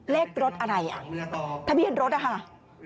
เลขรถอะไรถ้าพี่เห็นรถนะคะ